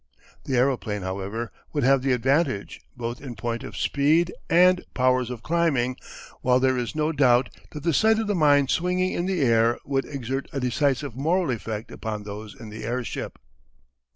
The aeroplane, however, would have the advantage both in point of speed and powers of climbing, while there is no doubt that the sight of the mine swinging in the air would exert a decisive moral effect upon those in the airship.